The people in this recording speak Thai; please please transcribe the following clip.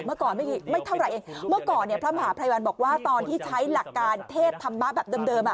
เมื่อก่อนพระมหาภัยวันบอกว่าตอนที่ใช้หลักการเทศธรรมบาปแบบเดิม